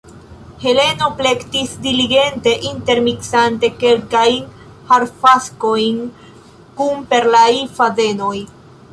Heleno plektis diligente, intermiksante kelkajn harfaskojn kun perlaj fadenoj.